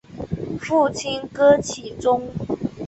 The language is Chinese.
父亲戈启宗。